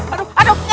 aduh aduh nyi